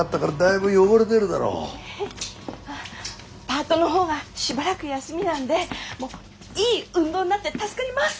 パートの方がしばらく休みなんでもういい運動になって助かります！